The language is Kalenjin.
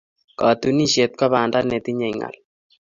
Katunisyet ko banda netinyei ng'al.